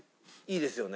いいですよね。